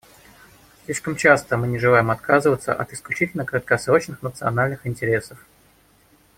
Слишком часто мы не желаем отказываться от исключительно краткосрочных национальных интересов.